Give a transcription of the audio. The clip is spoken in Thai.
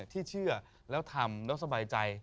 ที่เชื่อแล้วทำแล้วสบายใจ